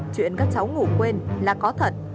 chuyện các cháu ngủ quên là có thật